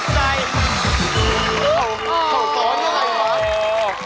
สงสัยหรือเปล่าอ๋อปรหมดหนึ่งคันเหรอ